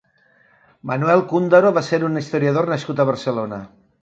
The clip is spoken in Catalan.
Manuel Cúndaro va ser un historiador nascut a Barcelona.